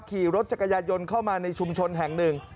ขี่รถจักรยายนต์เข้ามาในชุมชนแห่งหนึ่ง